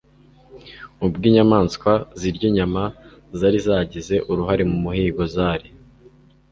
ubwo inyamaswa zirya inyama zari zagize uruhare mu muhigo zari